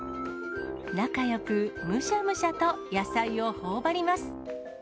仲よくむしゃむしゃと野菜をほおばります。